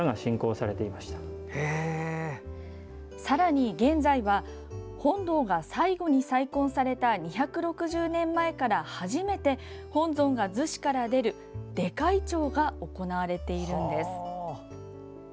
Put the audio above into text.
さらに現在は本堂が最後に再建された２６０年前から初めて、本尊が厨子から出る出開帳が行われているんです。